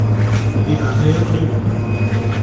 Di leɛnaya-m ɣiwel!